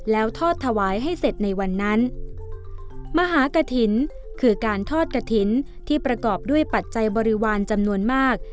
แล้วทอดถวายให้เสร็จในวันนั้นมหากฐินคือการทอดกระถิ่นที่ประกอบด้วยปัจจัยบริวารจำนวนมาก